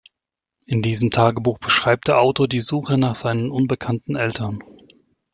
In diesem Tagebuch beschreibt der Autor die Suche nach seinen unbekannten Eltern.